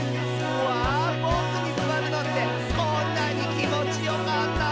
「うわボクにすわるのってこんなにきもちよかったんだ」